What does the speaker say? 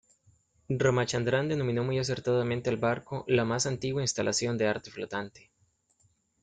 Ramachandran denominó muy acertadamente al barco "la más antigua instalación de arte flotante".